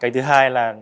cái thứ hai là